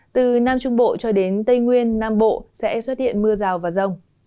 từ nam trung bộ cho đến tây nguyên nam bộ sẽ xuất hiện mưa rào và rông